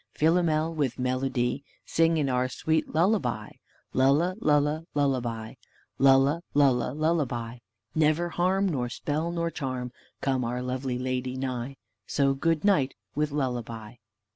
Philomel, with melody, Sing in our sweet lullaby, Lulla, lulla, lullaby; lulla, lulla, lullaby; Never harm, nor spell, nor charm, Come our lovely lady nigh; So good night with lullaby."